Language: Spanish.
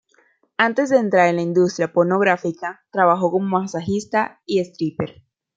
Antes de entrar en la industria pornográfica, trabajó como masajista y stripper.